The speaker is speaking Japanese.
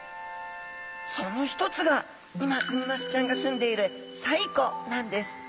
その一つが今クニマスちゃんがすんでいる西湖なんです！